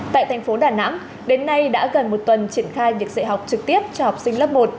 tại thành phố đà nẵng đến nay đã gần một tuần triển khai việc dạy học trực tiếp cho học sinh lớp một